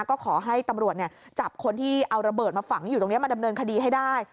ก็ขอให้ตำรวจจับคนที่เอาระเบิดมาฝังอยู่ตรงนี้มาดำเนินคดีให้ได้